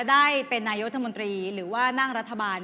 ได้เป็นนายกรัฐมนตรีหรือว่านั่งรัฐบาล